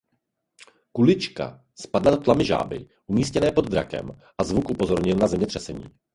Kulička spadla do tlamy žáby umístěné pod drakem a zvuk upozornil na zemětřesení.